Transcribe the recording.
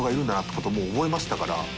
こともう覚えましたから。